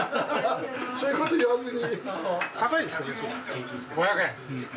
そういう事言わずに。